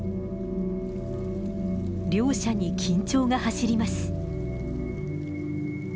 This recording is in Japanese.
両者に緊張が走ります。